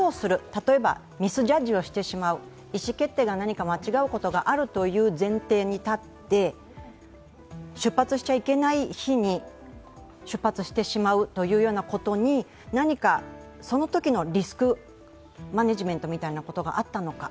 例えばミスジャッジをしてしまう、意思決定を間違ってしまうという前提に立って、出発しちゃいけない日に出発してしまうというようなことに何か、そのときのリスクマネージメントみたいなことがあったのか。